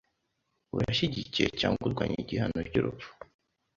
Urashyigikiye cyangwa urwanya igihano cyurupfu?